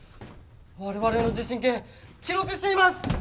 我々の地震計記録しています！